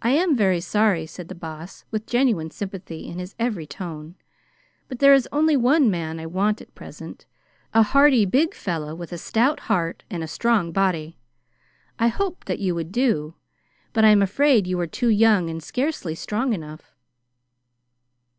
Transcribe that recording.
"I am very sorry," said the Boss with genuine sympathy in his every tone, "but there is only one man I want at present a hardy, big fellow with a stout heart and a strong body. I hoped that you would do, but I am afraid you are too young and scarcely strong enough."